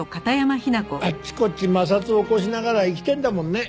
あっちこっち摩擦を起こしながら生きてるんだもんね。